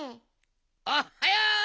おっはよう！